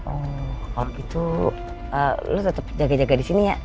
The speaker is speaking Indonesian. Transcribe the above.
oh kalau gitu lo tetep jaga jaga disini ya